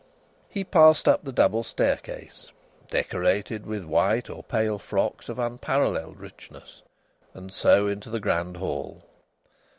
He passed up the double staircase (decorated with white or pale frocks of unparalleled richness), and so into the grand hall.